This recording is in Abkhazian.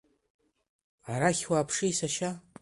Арахь уааԥши, сашьа.